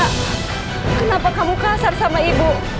kenapa kamu kasar sama ibu